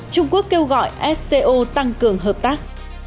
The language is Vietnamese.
trung quốc kêu gọi sco tăng cường hợp tác